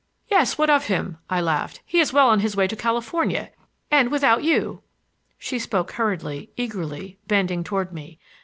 "Yes; what of him?" I laughed. "He is well on his way to California,—and without you!" She spoke hurriedly, eagerly, bending toward me.